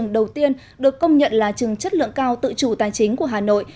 đầu tiên được công nhận là trường chất lượng cao tự chủ tài chính của hà nội